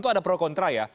tentu ada pro kontra ya